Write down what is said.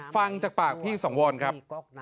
ฟังจากปากพี่สังวรครับ